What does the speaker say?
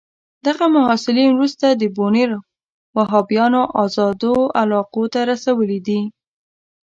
دغه محصلین وروسته د بونیر وهابیانو آزادو علاقو ته رسولي دي.